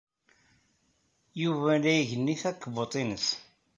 Yuba la igenni takebbuḍt-nnes.